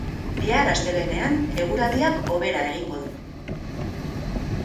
Bihar, astelehenean, eguraldiak hobera egingo du.